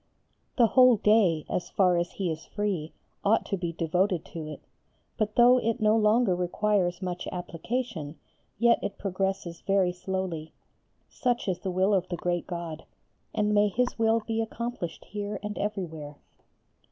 The whole day, as far as he is free, ought to be devoted to it, but though it no longer requires much application, yet it progresses very slowly: such is the will of the great God, and may His will be accomplished here and everywhere.